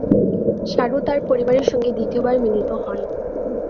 সারু তার পরিবারের সঙ্গে দ্বিতীয়বার মিলিত হন।